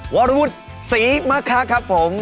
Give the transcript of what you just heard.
วรวุฒิศรีมะคะครับผม